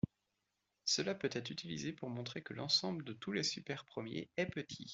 Cela peut être utilisé pour montrer que l'ensemble de tous les super-premiers est petit.